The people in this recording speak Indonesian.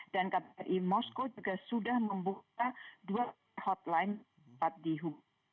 dan kbri moskow juga sudah membuka dua hotline empat d hub